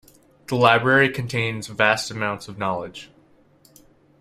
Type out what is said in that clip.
The library contains vast amounts of knowledge.